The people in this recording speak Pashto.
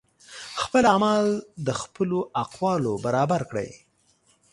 خپل اعمال د خپلو اقوالو برابر کړئ